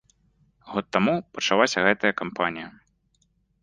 Год таму пачалася гэтая кампанія.